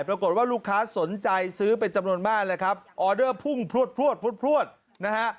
ปรากฏว่าลูกค้าสนใจซื้อเป็นจำนวนมากเลยครับออเดอร์พุ่งพลวดพลวดพลวดพลวดนะฮะ